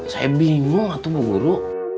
saya bingung atu bu guru